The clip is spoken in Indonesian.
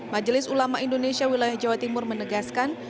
majelis ulama indonesia wilayah jawa timur menegaskan